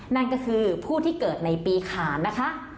นั่นก็คือผู้ที่เกิดในปีขานนะคะ